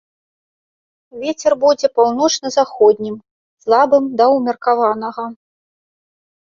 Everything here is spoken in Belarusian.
Вецер будзе паўночна-заходнім, слабым да ўмеркаванага.